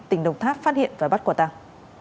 tỉnh đồng tháp phát hiện và bắt quả tăng